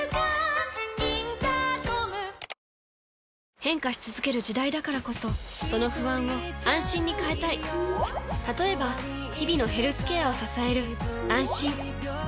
変化し続ける時代だからこそその不安を「あんしん」に変えたい例えば日々のヘルスケアを支える「あんしん」